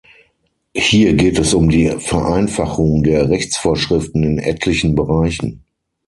Hier geht es um die Vereinfachung der Rechtsvorschriften in etlichen Bereichen.